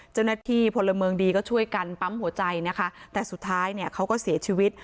เจ้าหน้าที่พลเมืองดีก็ช่วยกันปั๊มหัวใจนะคะแต่สุดท้ายเนี่ยเขาก็เสียชีวิต